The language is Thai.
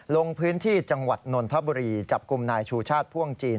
ลงพื้นที่จังหวัดนนทบุรีจับกลุ่มนายชูชาติพ่วงจีน